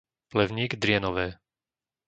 Plevník-Drienové